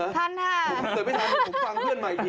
ทันค่ะถ้าเกิดไม่ทันผมฟังเพื่อนใหม่อีกที